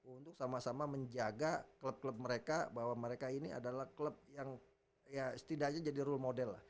untuk sama sama menjaga klub klub mereka bahwa mereka ini adalah klub yang ya setidaknya jadi role model lah